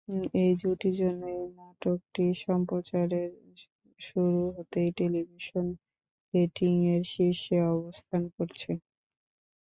এই জুটির জন্য এই নাটকটি সম্প্রচারের শুরু হতেই টেলিভিশন রেটিং-এর শীর্ষে অবস্থান করছে।